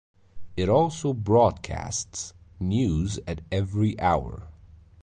It also broadcasts news at every hour.